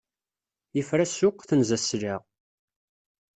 Yefra ssuq, tenza sselɛa.